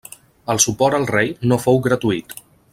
El suport al Rei no fou gratuït.